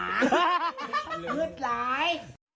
มืดหลาย